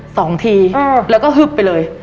สองทีแล้วก็ฮึบไปเลย